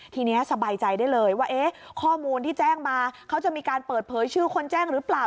ทีนี้สบายใจได้เลยว่าข้อมูลที่แจ้งมาเขาจะมีการเปิดเผยชื่อคนแจ้งหรือเปล่า